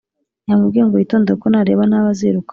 yamubwiye ngo yitonde kuko nareba nabi azirukanwa